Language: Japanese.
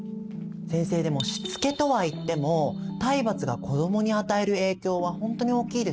先生でもしつけとはいっても体罰が子どもに与える影響は本当に大きいですよね。